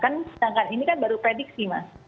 nah kan ini kan baru prediksi mas